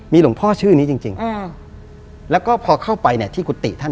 หลวงพ่อชื่อนี้จริงแล้วก็พอเข้าไปเนี่ยที่กุฏิท่าน